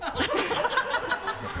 ハハハ